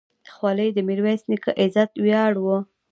خولۍ د میرویس نیکه عزت ویاړ و.